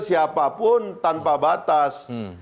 siapapun tanpa batas